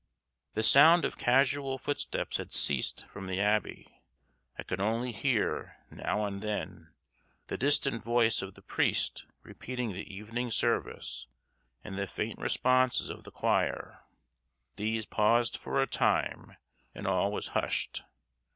The sound of casual footsteps had ceased from the abbey. I could only hear, now and then, the distant voice of the priest repeating the evening service and the faint responses of the choir; these paused for a time, and all was hushed.